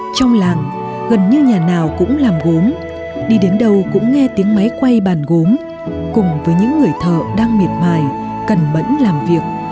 trong làng gần như nhà nào cũng làm gốm đi đến đâu cũng nghe tiếng máy quay bàn gốm cùng với những người thợ đang miệt mài cẩn mẫn làm việc